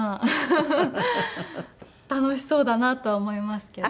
楽しそうだなとは思いますけど。